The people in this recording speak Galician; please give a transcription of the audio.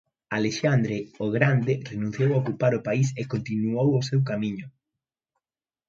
Alexandre o grande renunciou a ocupar o país e continuou o seu camiño.